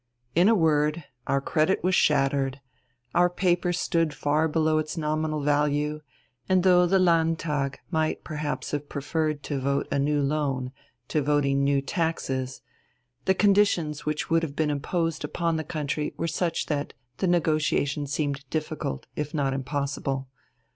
In a word: our credit was shattered, our paper stood far below its nominal value; and though the Landtag might perhaps have preferred to vote a new loan to voting new taxes, the conditions which would have been imposed upon the country were such that the negotiation seemed difficult, if not impossible.